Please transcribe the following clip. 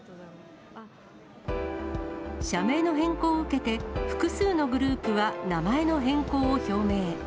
社名の変更を受けて、複数のグループは名前の変更を表明。